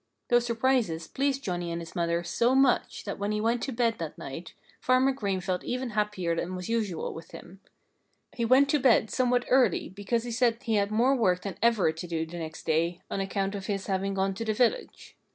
Those surprises pleased Johnnie and his mother so much that when he went to bed that night Farmer Green felt even happier than was usual with him. He went to bed somewhat early because he said he had more work than ever to do the next day, on account of his having gone to the village.